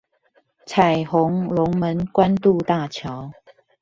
彩虹龍門關渡大橋